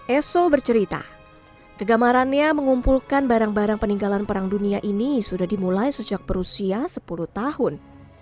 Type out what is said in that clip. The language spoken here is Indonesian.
eso bercerita kegamarannya mengumpulkan barang barang peninggalan perang dunia ini sudah dimulai sejak berusia sepuluh tahun